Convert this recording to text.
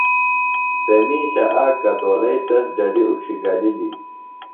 سےۡ مِیشہ اک کتولئیۡ تس ڈڈیۡ اُڇھیۡ گلِلیۡ